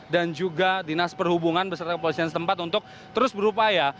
dan juga dinas perhubungan beserta kepolisian setempat untuk terus berupaya